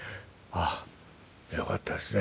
あよかったですね。